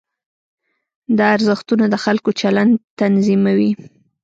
دا ارزښتونه د خلکو چلند تنظیموي.